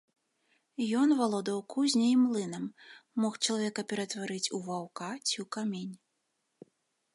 Ён валодаў кузняй і млынам, мог чалавека ператварыць у ваўка ці ў камень.